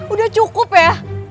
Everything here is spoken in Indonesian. udah cukup ya